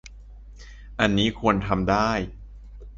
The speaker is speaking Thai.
อันนี้ควรทำได้